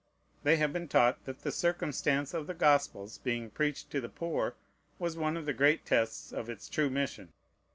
They have been taught that the circumstance of the Gospel's being preached to the poor was one of the great tests of its true mission.